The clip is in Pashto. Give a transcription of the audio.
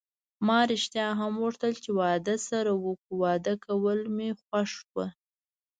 ما ریښتیا هم غوښتل چې واده سره وکړو، واده کول مې خوښ و.